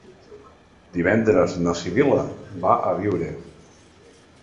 Divendres na Sibil·la va a Biure.